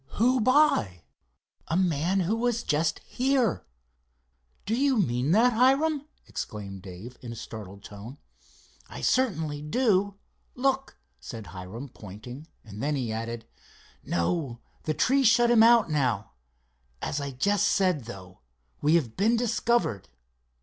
"Who by?" "A man who was just here." "Do you mean that, Hiram?" exclaimed Dave in a startled tone. "I certainly do. Look," said Hiram, pointing, and then he added: "No, the trees shut him out now. As I just said, though, we have been discovered."